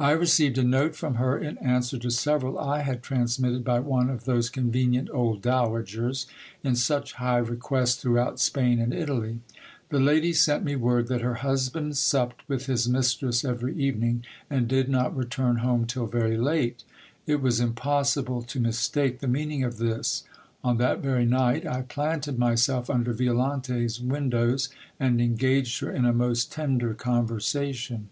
I received a note fronvher in answer to several I had transmitted by one of those convenient old dowagers, in such high request throughout Spain and Italy. The lady sent me word that her husband supped with his mistress every even ing, and did not return home till very late. It was impossible to mistake the meaning of this. On that very night I planted myself under Violante's win dows, and engaged her in a most tender conversation.